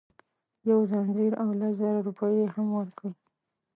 یو ځنځیر او لس زره روپۍ یې هم ورکړې.